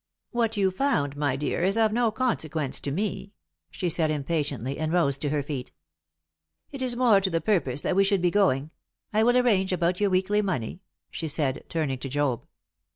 "What you found, my dear, is of no consequence to me," she said, impatiently, and rose to her feet. "It is more to the purpose that we should be going. I will arrange about your weekly money," she said, turning to Job.